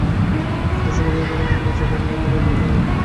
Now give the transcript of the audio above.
এ সময় তিনি ভবন থেকে নিচে পড়ে গিয়ে মাথায় গুরুতর আঘাত পান।